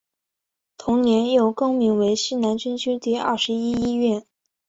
同年又更名为西南军区第二十一医院。